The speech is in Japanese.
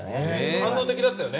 感動的だったよね。